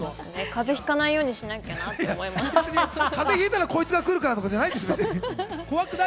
風邪ひいたらコイツが来るからとかじゃないですよ。